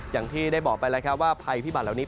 อย่างที่ได้บอกไปแล้วครับว่าภัยพิบัตรเหล่านี้